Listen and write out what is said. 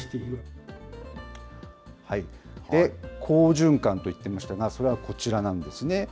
好循環と言ってましたが、それはこちらなんですね。